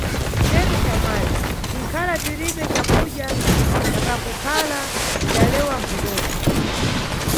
Penu xamwali, tinʼkhala tiribe cakudya na pakukhala, idalewa mphondolo.